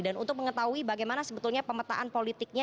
dan untuk mengetahui bagaimana sebetulnya pemetaan politiknya